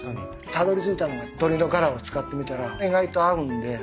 たどり着いたのが鶏のがらを使ってみたら意外と合うんで。